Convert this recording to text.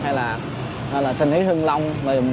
hay là sinh hữu hưng lông